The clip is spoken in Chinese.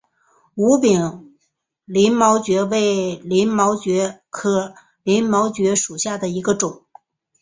无柄鳞毛蕨为鳞毛蕨科鳞毛蕨属下的一个种。